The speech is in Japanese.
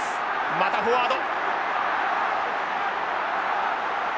またフォワード。